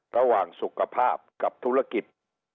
ระหว่างสุขภาพกับธุรกิจ